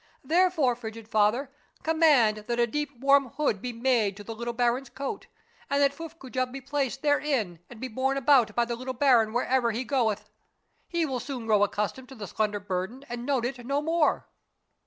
Therefore, frigid father, command that a deep, warm hood be made to the little baron's coat, and that Fuffcoojah be placed therein and be borne about by the little baron wherever he goeth. He will soon grow accustomed to the slender burden and note it no more."